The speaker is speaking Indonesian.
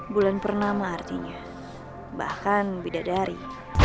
wulan per nama artinya bahkan wulandari